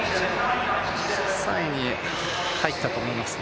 ３位に入ったと思いますね。